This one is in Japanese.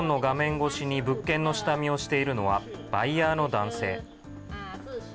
越しに物件の下見をしているのは、バイヤーの男性。